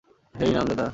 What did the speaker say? হেই, নামজাদা।